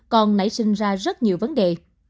còn nảy sinh ra rất nhiều vấn đề